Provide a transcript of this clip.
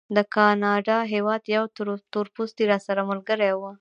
د ګانا هېواد یو تورپوستی راسره ملګری و.